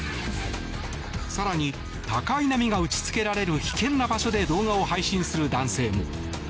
更に、高い波が打ちつけられる危険な場所で動画を配信する男性も。